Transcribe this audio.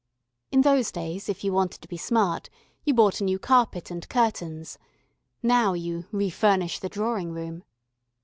In those days if you wanted to be smart, you bought a new carpet and curtains: now you "refurnish the drawing room."